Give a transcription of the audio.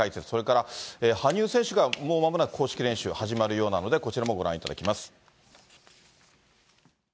それから羽生選手がもうまもなく公式練習始まるようなので、こちらもご覧いただきます。